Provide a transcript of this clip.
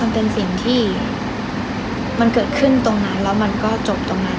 มันเป็นสิ่งที่มันเกิดขึ้นตรงนั้นแล้วมันก็จบตรงนั้น